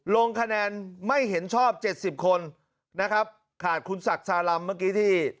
ลงคะแนนไม่เห็นชอบ๗๐คนนะครับขาดคุณศักดิ์ชาลำเมื่อกี้ที่